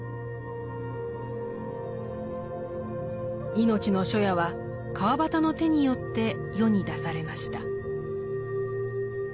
「いのちの初夜」は川端の手によって世に出されました。